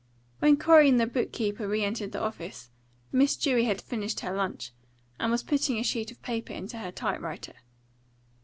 When Corey and the book keeper re entered the office, Miss Dewey had finished her lunch, and was putting a sheet of paper into her type writer.